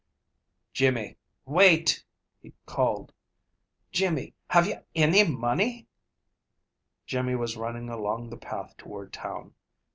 "Jimmy, wait!" he called. "Jimmy, have ye any money?" Jimmy was running along the path toward town.